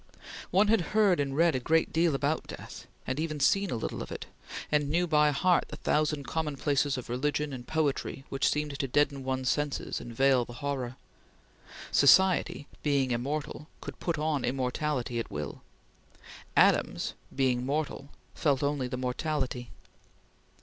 One had heard and read a great deal about death, and even seen a little of it, and knew by heart the thousand commonplaces of religion and poetry which seemed to deaden one's senses and veil the horror. Society being immortal, could put on immortality at will. Adams being mortal, felt only the mortality.